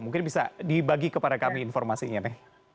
mungkin bisa dibagi kepada kami informasinya me